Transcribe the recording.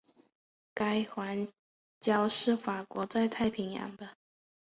该环礁是法国在太平洋的。